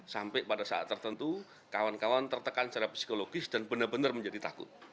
sampai pada saat tertentu kawan kawan tertekan secara psikologis dan benar benar menjadi takut